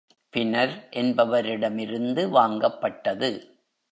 பினர் என்பவரிடமிருந்து வாங்கப்பட்டது.